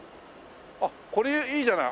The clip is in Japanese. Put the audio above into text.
あっこれいいじゃない。